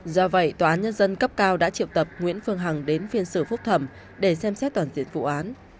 do vậy tòa án nhân dân cấp cao đã triệu tập nguyễn phương hằng đến phiên xử phúc thẩm để xem xét toàn diện vụ án